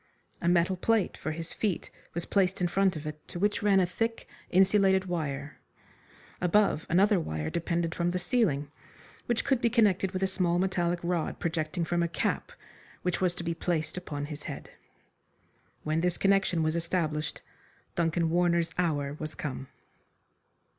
A metal plate for his feet was placed in front of it, to which ran a thick, insulated wire. Above, another wire depended from the ceiling, which could be connected with a small metallic rod projecting from a cap which was to be placed upon his head. When this connection was established Duncan Warner's hour was come.